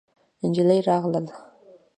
نجلۍ راغله.